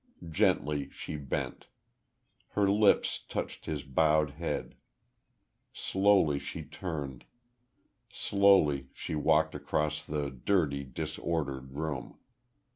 Gently she bent. Her lips touched his bowed head. Slowly she turned. Slowly she walked across the dirty, disordered room.